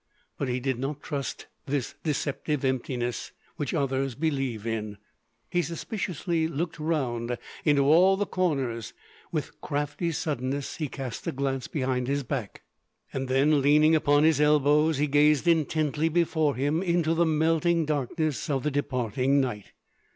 But he did not trust this deceptive emptiness, which others believe in. He suspiciously looked round into all the corners; with crafty suddenness he cast a glance behind his back, and then leaning upon his elbows he gazed intently before him into the melting darkness of the departing night.